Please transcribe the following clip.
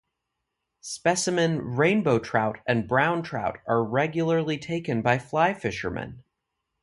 Specimen rainbow trout and brown trout are regularly taken by fly fishermen.